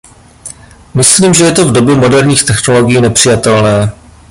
Myslím, že je to v době moderních technologií nepřijatelné.